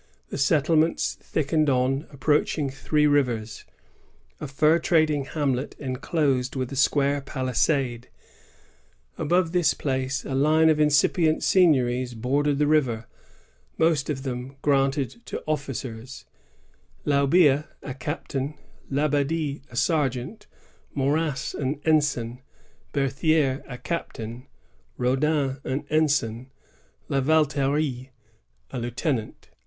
The settlements thickened on approaching Three Rivers, a fur trading hamlet enclosed with a square palisade. Above this place, a line of incipient seigniories bordered the river, most of them granted to officers, — Laubia, a captain; Labadie, a sergeant; Moras, an ensign; Berthier, a captain; Raudin, an ensign; La Valterie, a lieuten ant.